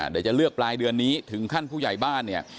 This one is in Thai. เดี๋ยวจะเลือกปลายเดือนนี้ถึงขั้นผู้ใหญ่บ้านเนี่ย